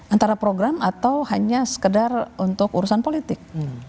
antara program atau hanya sekedar untuk urusan politik